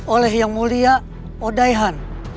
oleh yang mulia odayhan